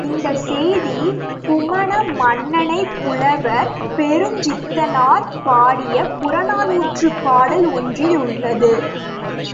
இந்தச் செய்தி, குமண மன்னனைப் புலவர் பெருஞ் சித்திரனார் பாடிய புறநானூற்றுப்பாடல் ஒன்றில் உள்ளது.